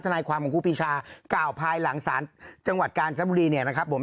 ธนาความของครูพิชา๙ภายหลังศาลจังหวัดกาลจมเนี่ยนะครับผม